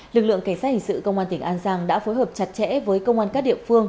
lực lượng cảnh sát hình sự công an tỉnh an giang đã phối hợp chặt chẽ với công an các địa phương